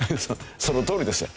そのとおりですよ。